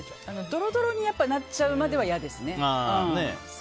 ドロドロになっちゃうまでは嫌ですね。